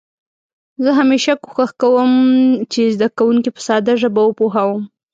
زه همېشه کوښښ کوم چې زده کونکي په ساده ژبه وپوهوم.